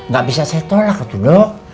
gak bisa saya tolak tuh dok